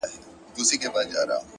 ملا فتواء ورکړه ملا يو ښايست وواژه خو!!